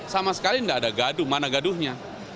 sama sekali tidak ada gaduh mana gaduhnya